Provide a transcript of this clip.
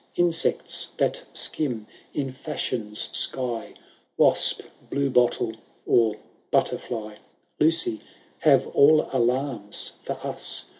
Insects that skim in Fashion^s sky. Wasp, blue bottle, or butterfly, Lucy, have all alarms for us.